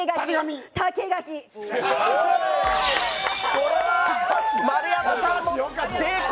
これは丸山さんも成功。